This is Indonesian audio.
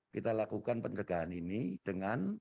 kita lakukan pencegahan ini dengan